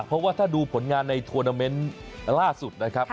เพราะว่าถ้าดูผลงานในทวนาเมนต์ล่าสุดนะครับ